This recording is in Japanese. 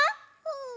うん。